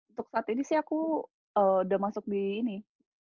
untuk saat ini sih aku udah masuk di ini